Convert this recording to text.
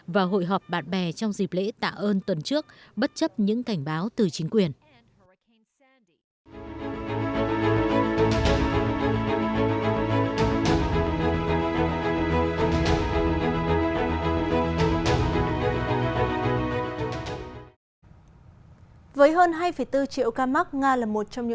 và hội họp bạn bè trong dịp lễ tạ ơn tuần trước bất chấp những cảnh báo từ chính quyền